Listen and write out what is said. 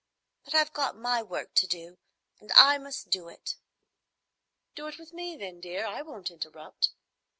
"But I've got my work to do, and I must do it." "Do it with me, then, dear. I won't interrupt."